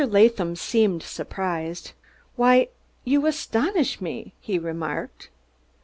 Latham seemed surprised. "Why, you astonish me," he remarked.